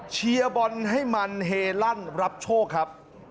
เชียร์บอลให้มันเฮลั่นรับโชคครับ